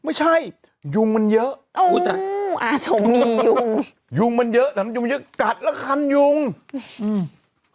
ไม่ใช่ยุงมันเยอะอาสมงียุงยุงมันเยอะแต่มันยุงมันเยอะกัดแล้วคันยุงอืม